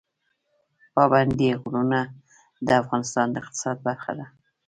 پابندی غرونه د افغانستان د اقتصاد برخه ده.